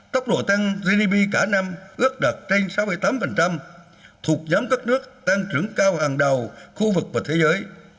tốc độ tăng gdp cả năm ước đạt trên sáu mươi tám thuộc nhóm các nước tăng trưởng cao hàng đầu khu vực và thế giới